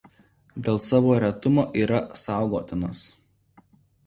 Dėl savo retumo yra saugotinas.